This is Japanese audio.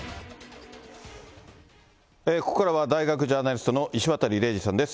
ここからは大学ジャーナリストの石渡嶺司さんです。